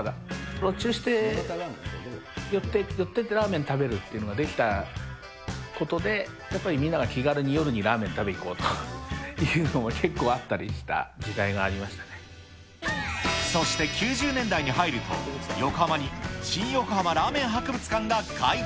路駐して寄ってってラーメン食べるっていうのができたことで、やっぱりみんなが気軽に夜に食べに行こうというのも結構あったりそして９０年代に入ると、横浜に新横浜ラーメン博物館が開館。